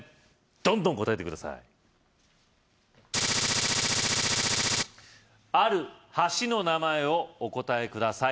どんどん答えて下さいある橋の名前をお答えください